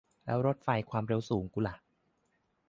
แล้วรถไฟความเร็วสูงกูล่ะ